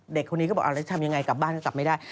เด็กคนนี้ก็เปิดอะไรก็ทำอย่างไรกลับบ้านกลับไม่ได้